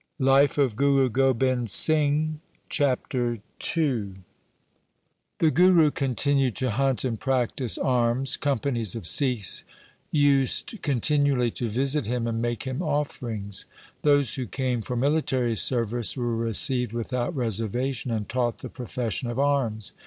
LIFE OF GURU GOBIND SINGH ii Chapter II The Gum continued to hunt and practise arms. Companies of Sikhs used continually to visit him and make him offerings. Those who came for military service were received without reservation, and taught the profession of arms.